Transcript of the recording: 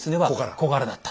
小柄だった。